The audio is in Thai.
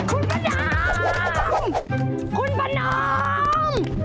คุณประนอมหยุดก่อนคุณประนอม